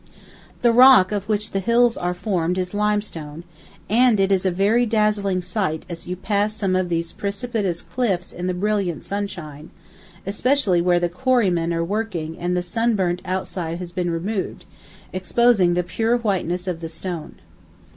The rock of which the hills are formed is limestone, and it is a very dazzling sight as you pass some of these precipitous cliffs in the brilliant sunshine, especially where the quarrymen are working and the sunburnt outside has been removed, exposing the pure whiteness of the stone.